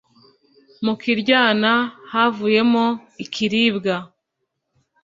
mukiryana havuyemo ikiribwa